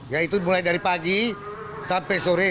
yaitu mulai dari pagi sampai sore